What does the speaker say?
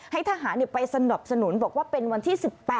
ให้ทหารไปสนับสนุนบอกว่าเป็นวันที่๑๘